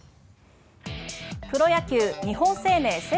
プロ野球日本生命セ